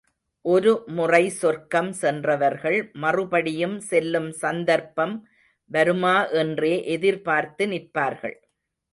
ஒருமுறை சொர்க்கம் சென்றவர்கள், மறுபடியும் செல்லும் சந்தர்ப்பம் வருமா என்றே எதிர்பார்த்து நிற்பார்கள்.